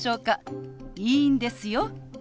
いいんですよ。